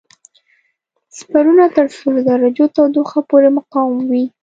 سپورونه تر سلو درجو تودوخه پورې مقاوم وي.